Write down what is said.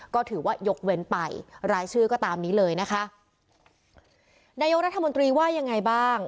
ก็ถือว่ายกเว้นไปรายชื่อก็ตามนี้เลยนะคะนายกรัฐมนตรีว่ายังไงบ้าง